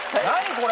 これ。